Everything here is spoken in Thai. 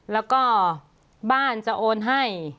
แล้วก็บ้านจะโอนให้